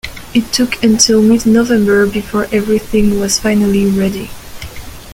It took until mid-November before everything was finally ready.